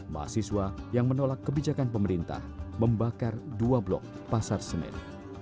mahasiswa yang menolak kebijakan pemerintah membakar dua blok pasar senen